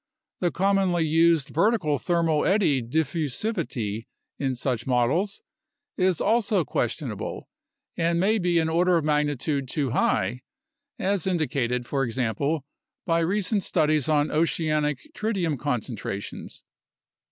The commonly used vertical thermal eddy diffusivity in such models is also questionable and may be an order of magnitude too high, as in dicated, for example, by recent studies on oceanic tritium concentra tions.